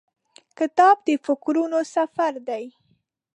کتاب د فکرونو سفر دی.